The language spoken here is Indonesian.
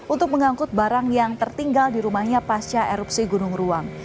untuk mengangkut barang yang tertinggal di rumahnya pasca erupsi gunung ruang